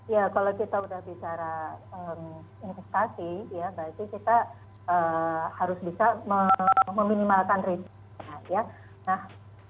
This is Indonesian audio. ya kalau kita sudah bicara investasi ya berarti kita harus bisa meminimalkan risiko